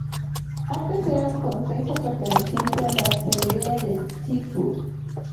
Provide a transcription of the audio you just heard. Antes era un concejo perteneciente a la Cendea de Cizur.